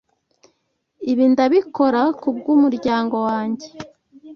Ibi ndabikora kubwumuryango wanjye.